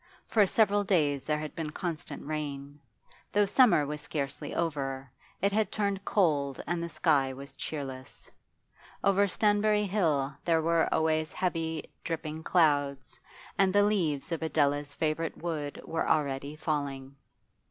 For several days there had been constant rain; though summer was scarcely over, it had turned cold and the sky was cheerless. Over Stanbury Hill there were always heavy, dripping clouds, and the leaves of Adela's favourite wood were already falling.